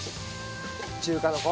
中華の子！